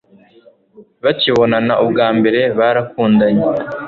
bakibonana ubwa mbere, barakundanye